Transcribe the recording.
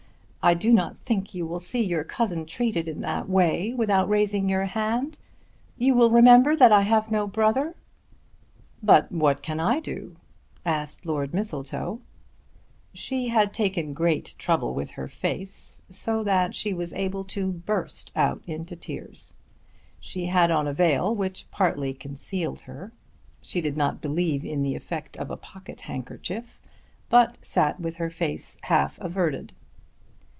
I do not think you will see your cousin treated in that way without raising your hand. You will remember that I have no brother?" "But what can I do?" asked Lord Mistletoe. She had taken great trouble with her face, so that she was able to burst out into tears. She had on a veil which partly concealed her. She did not believe in the effect of a pocket handkerchief, but sat with her face half averted.